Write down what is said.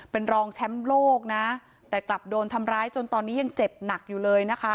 เป็นรองแชมป์โลกนะแต่กลับโดนทำร้ายจนตอนนี้ยังเจ็บหนักอยู่เลยนะคะ